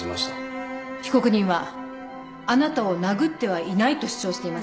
被告人はあなたを殴ってはいないと主張していますが。